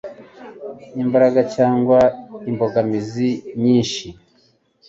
imbaraga cyangwa imbogamizi nyinshi